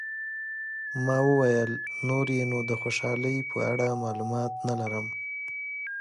ما وویل، نور یې نو د خوشحالۍ په اړه معلومات نه لرم.